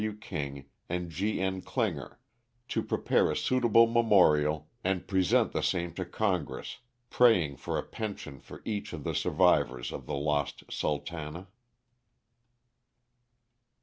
W. King, and G. N. dinger, to prepare a suitable memorial and present the same to Congress, praying for a pension for each of the survivors of the lost *' Sultana.'